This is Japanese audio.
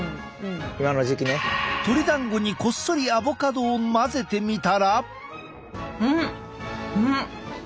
鶏だんごにこっそりアボカドを混ぜてみたら。